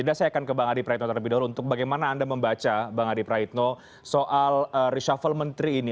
jeda saya akan ke bang adi praetno terlebih dahulu untuk bagaimana anda membaca bang adi praitno soal reshuffle menteri ini